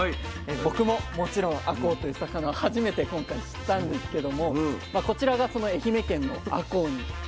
僕ももちろんあこうという魚を初めて今回知ったんですけどもこちらがその愛媛県のあこうになりますね。